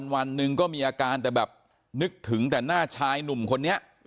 วันหนึ่งก็มีอาการแต่แบบนึกถึงแต่หน้าชายหนุ่มคนนี้